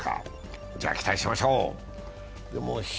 じゃあ、期待しましょう。